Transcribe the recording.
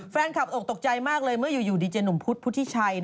แฟนคลับโอ๊คตกใจมากเลยเมื่ออยู่ดีเจนหนุ่มพุทธพุทธิชัย